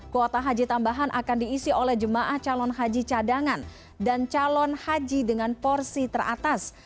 kuota haji tambahan akan diisi oleh jemaah calon haji cadangan dan calon haji dengan porsi teratas